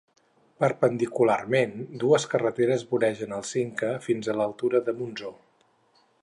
Perpendicularment, dues carreteres voregen el Cinca fins a l'altura de Montsó.